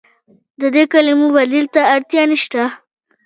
د دې کلمو بدیل ته اړتیا نشته.